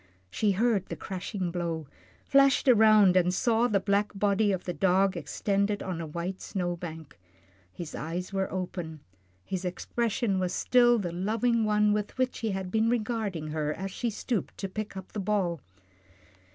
She heard the crashing blow, flashed around, and saw the black body of the dog extended on a white snow bank. His eyes were open, his expression was still the loving one with which he had been regarding her as she stooped to pick up the ball.